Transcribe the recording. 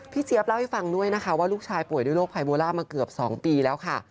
เจี๊ยบเล่าให้ฟังด้วยนะคะว่าลูกชายป่วยด้วยโรคภัยโบล่ามาเกือบ๒ปีแล้วค่ะ